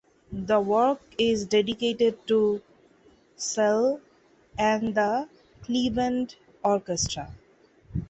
The work is dedicated to Szell and the Cleveland Orchestra.